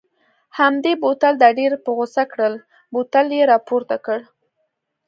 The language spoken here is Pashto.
همدې بوتل دا ډېره په غوسه کړل، بوتل یې را پورته کړ.